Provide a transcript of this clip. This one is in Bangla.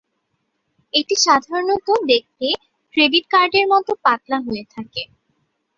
এটি সাধারণত দেখতে ক্রেডিট কার্ডের মত পাতলা হয়ে থাকে।